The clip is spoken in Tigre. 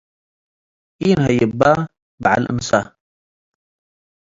ኢነሀይበ በዐል እንሰ